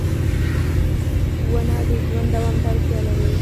• ونه د ژوند دوام ته اړتیا لري.